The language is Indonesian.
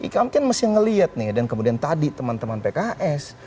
kami kan mesti ngelihat nih dan kemudian tadi teman teman pks